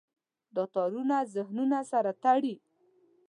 دا تارونه ذهنونه سره تړي.